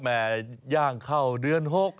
แม่ย่างเข้าเดือน๖